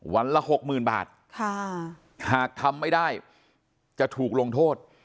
วันละหกหมื่นบาทค่ะหากทำไม่ได้จะถูกลงโทษ